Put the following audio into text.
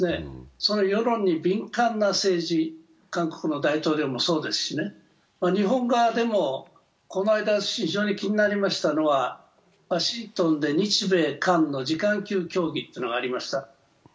その世論に敏感な政治、韓国の大統領もそうですし、日本側でもこの間非常に気になりましたのはワシントンで日・米・韓の次官級協議というのがありました。